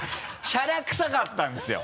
しゃらくさかったんですよ！